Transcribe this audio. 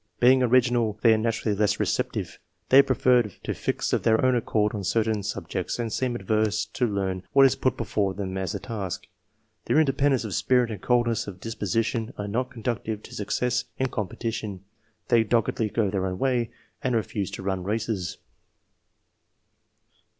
Being original, they are na turally less receptive ; they prefer to fix of their own accord on certain subjects, and seem averse to learn what is put before them as a task. Their independence of spirit and coldness of dis position are not conducive to success in com 258 ENGLISH MEN OF SCIENCE. [chap. petition : they doggedly go their own way, and refuse to run races.